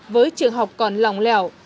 với trường học còn lỏng lẻo